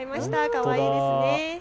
かわいいですね。